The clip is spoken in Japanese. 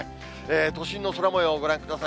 都心の空もようをご覧ください。